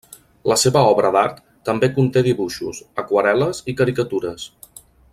La seva obra d'art també conté dibuixos, aquarel·les i caricatures.